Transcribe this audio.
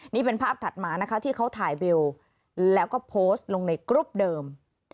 นี่เป็นภาพถัดมานะคะที่เขาถ่ายเบลแล้วก็โพสต์ลงในกรุ๊ปเดิม